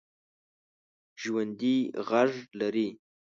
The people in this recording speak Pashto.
ژوندي غږ لري